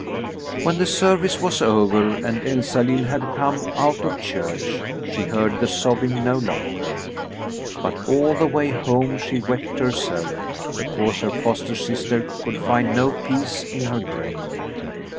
When the service was over and Elsalill had come out of church, she heard the sobbing no longer. But all the way home she wept to herself because her foster sister could find no peace in her grave.